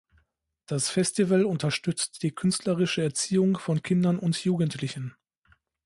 Das Festival unterstützt die künstlerische Erziehung von Kindern und Jugendlichen.